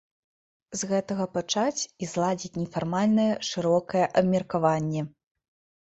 З гэтага пачаць і зладзіць нефармальнае, шырокае абмеркаванне.